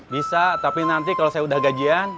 bisa tapi nanti kalau saya udah gajian